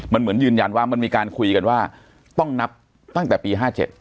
มันเหมือนยืนยันว่ามันมีการคุยกันว่าต้องนับตั้งแต่ปี๕๗